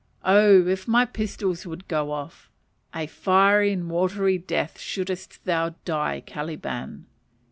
Oh, if my pistols would go off, a fiery and watery death shouldst thou die, Caliban.